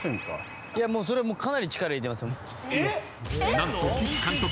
［何と岸監督